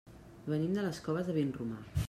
Venim de les Coves de Vinromà.